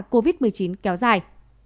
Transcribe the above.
covid một mươi chín kéo dài